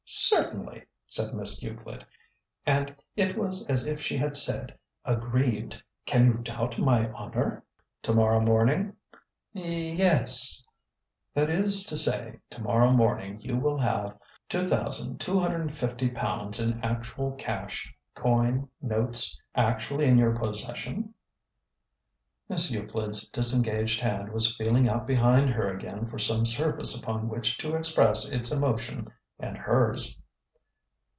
"Certainly!" said Miss Euclid. And it was as if she had said, aggrieved: "Can you doubt my honour?" "To morrow morning?" "Ye es." "That is to say, to morrow morning you will have £2,250 in actual cash coin, notes actually in your possession?" Miss Euclid's disengaged hand was feeling out behind her again for some surface upon which to express its emotion and hers.